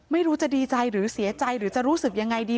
ไม่รู้จะดีใจหรือเสียใจหรือจะรู้สึกยังไงดี